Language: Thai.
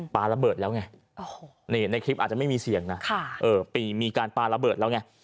ปลาระเบิดแล้วไงนี่ในคลิปอาจจะไม่มีเสียงนะปีมีการปลาระเบิดแล้วไง